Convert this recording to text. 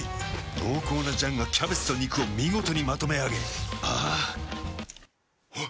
濃厚な醤がキャベツと肉を見事にまとめあげあぁあっ。